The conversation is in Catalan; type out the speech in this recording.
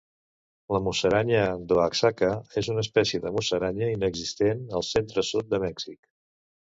La musaranya d'Oaxaca és una espècie de musaranya inexistent al centre-sud de Mèxic.